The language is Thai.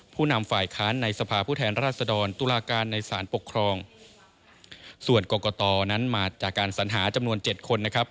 ผู้นำฝ่ายค้านในสภาผู้แทนราชดรตุลาการในสารปกครองส่วนกรกตนั้นมาจากการสัญหาจำนวนเจ็ดคนนะครับ